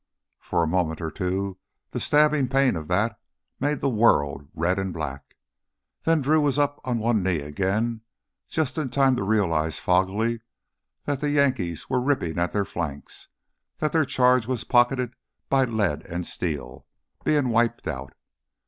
For a moment or two the stabbing pain of that made the world red and black. Then Drew was up on one knee again, just in time to realize foggily that the Yankees were ripping at their flanks, that their charge was pocketed by lead and steel, being wiped out.